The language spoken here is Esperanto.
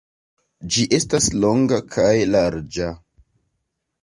Ĝi estas longa kaj larĝa.